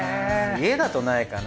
家だとないかな。